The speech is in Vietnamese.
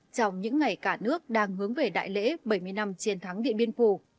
trong những ngày cả nước đang hướng về đại lễ bảy mươi năm chiến thắng điện biên phủ